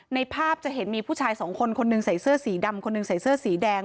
ในภาพจะเห็นมีผู้ชายสองคนคนหนึ่งใส่เสื้อสีดำคนหนึ่งใส่เสื้อสีแดง